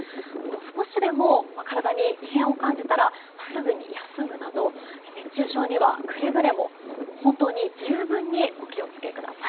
少しでも体に異変を感じたらすぐに休むなど、熱中症にはくれぐれも本当に十分にお気を付けください。